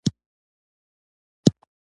B پنسلونه نرم وي او تېره کرښه لري.